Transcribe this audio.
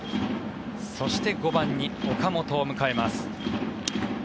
そして、５番に岡本を迎えます。